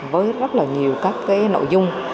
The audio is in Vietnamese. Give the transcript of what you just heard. với rất là nhiều các cái nội dung